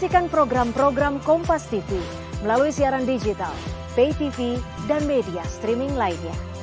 kompas tv melalui siaran digital pay tv dan media streaming lainnya